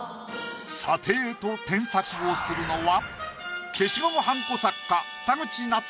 査定と添削をするのは。